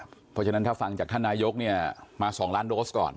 เพราะฉะนั้นถ้าฟังจากท่านนายกเนี่ยมา๒ล้านโดสก่อน